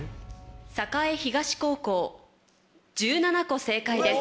栄東高校１７個正解です